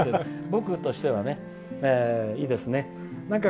僕としてはね、いいですね。